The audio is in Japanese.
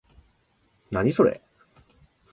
何、それ？